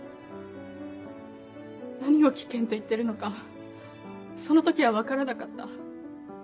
何を危険と言ってるのかその時は分からなかった。